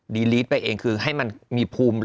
ลีลีดไปเองคือให้มันมีภูมิ